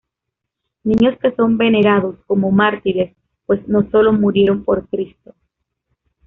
Niños que son venerados como mártires pues no sólo murieron por Cristo.